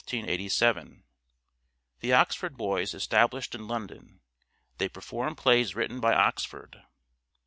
The " Oxford Boys " established in London. They perform plays written by Oxford.